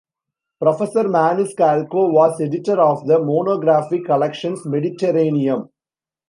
Professor Maniscalco was editor of the monographic collection Mediterraneum.